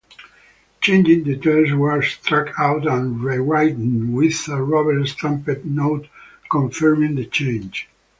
Changed details were struck out and rewritten, with a rubber-stamped note confirming the change.